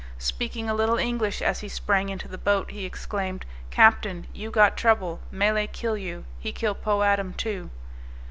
Speaking a little English as he sprang into the boat, he exclaimed, "Captain, you got trouble; Malay kill you, he kill Po Adam too!"